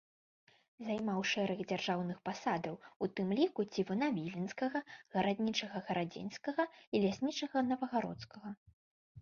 Займаў шэраг дзяржаўных пасадаў, у тым ліку цівуна віленскага, гараднічага гарадзенскага і ляснічага новагародскага.